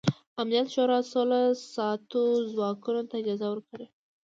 امنیت شورا سوله ساتو ځواکونو ته اجازه ورکړه.